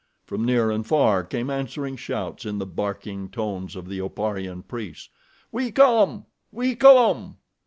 From near and far came answering shouts in the barking tones of the Oparian priests: "We come! We come!"